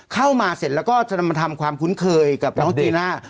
เข้ามาเสร็จแล้วก็จะนำมาทำความคุ้นเคยกับน้องจีน่า